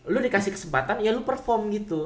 lu dikasih kesempatan ya lu perform gitu